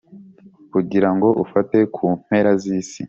kugira ngo ufate ku mpera z’isi